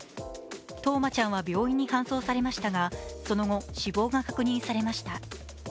任真ちゃんは病院に搬送されましたがその後、死亡が確認されました。